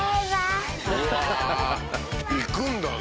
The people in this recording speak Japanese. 行くんだね。